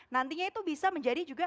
nantinya itu bisa menjadi juga